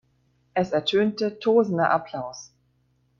Es ertönte tosender Applaus.